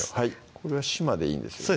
これはしまでいいんですよね